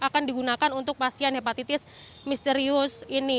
akan digunakan untuk pasien hepatitis misterius ini